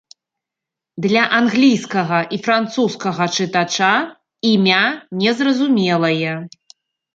Для англійскага і французскага чытача імя незразумелае.